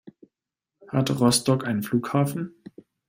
Hat Rostock einen Flughafen?